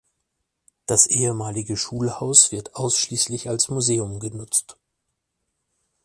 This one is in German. Das ehemalige Schulhaus wird ausschließlich als Museum genutzt.